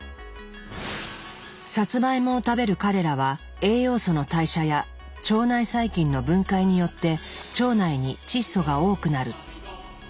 サツマイモを食べる彼らは栄養素の代謝や腸内細菌の分解によって腸内に窒素が多くなる。